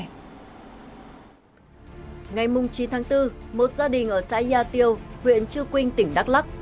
ngày mùng chín tháng bốn một gia đình ở xã gia tiêu huyện chư quynh tỉnh đắk lắc